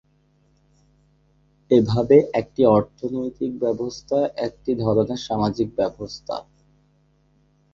এভাবে, একটি অর্থনৈতিক ব্যবস্থা একটি ধরনের সামাজিক ব্যবস্থা।